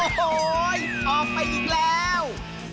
โอ้โหออกไปอีกแล้ว